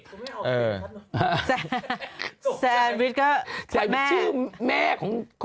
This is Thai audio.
ผมไม่เอาอีฟครับแซนวิชก็แม่แซนวิชชื่อแม่ของ